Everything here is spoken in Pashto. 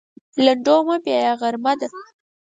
لنډو مه بیایه غرمه ده.